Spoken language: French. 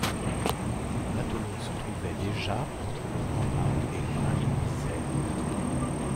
Le matelot se trouvait déjà entre le grand mât et le mât de misaine.